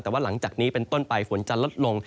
แต่ว่าหลังจากนี้เป็นต้นไปฝนจะลดลง